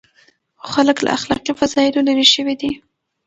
خو خلک له اخلاقي فضایلو لرې شوي دي.